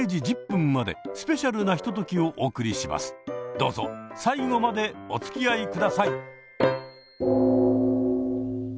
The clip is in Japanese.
どうぞ最後までおつきあい下さい！